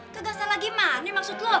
kagak salah gimana maksud lu